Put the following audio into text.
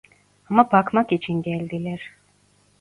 Ama bakmak için geldiler